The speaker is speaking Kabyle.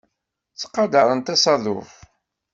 Ttqadarent asaḍuf.